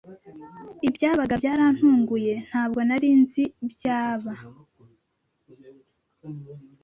ibyabaga byarantunguye, ntabwo nari nzi byaba